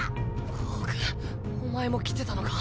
ホークお前も来てたのか。